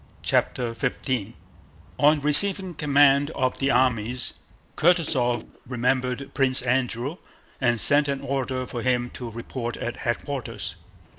CHAPTER XV On receiving command of the armies Kutúzov remembered Prince Andrew and sent an order for him to report at headquarters.